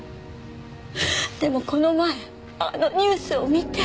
でもこの前あのニュースを見て！